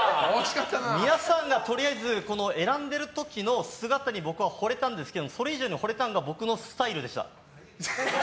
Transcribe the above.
皆さんがとりあえず選んでいる時の姿に僕は惚れたんですけどそれ以上にほれたのが僕のスタイルでした。